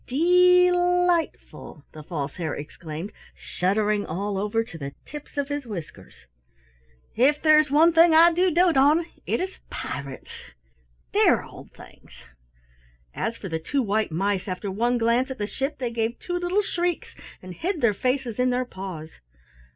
"Dee lightful!" the False Hare exclaimed, shuddering all over to the tips of his whiskers. "If there's one thing I do dote on it is pirates dear old things!" As for the two white mice, after one glance at the ship, they gave two little shrieks and hid their faces in their paws.